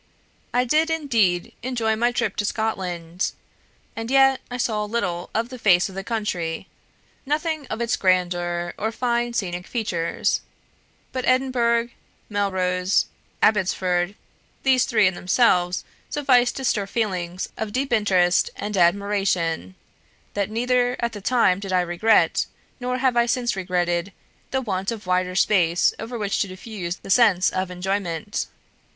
"I did indeed enjoy my trip to Scotland, and yet I saw little of the face of the country; nothing of its grandeur or finer scenic features; but Edinburgh, Melrose, Abbotsford these three in themselves sufficed to stir feelings of such deep interest and admiration, that neither at the time did I regret, nor have I since regretted, the want of wider space over which to diffuse the sense of enjoyment.